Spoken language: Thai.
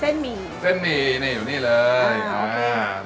เส้นหมี่เส้นหมี่นี่อยู่นี่เลยอ่าโอเคอ่า